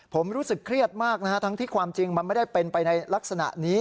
ผมรู้สึกเครียดมากนะฮะทั้งที่ความจริงมันไม่ได้เป็นไปในลักษณะนี้